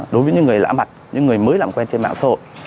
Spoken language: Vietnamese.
đối với những người lã mặt những người mới làm quen trên mạng sổ